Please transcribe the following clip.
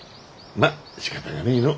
まっしかたがねえのう。